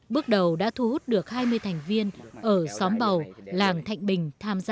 bước đầu đã thu hút được hai mươi thành viên ở xóm bầu làng thạnh bình tham gia